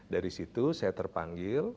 dari situ saya terpanggil